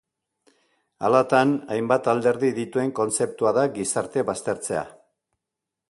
Halatan, hainbat alderdi dituen kontzeptua da gizarte baztertzea.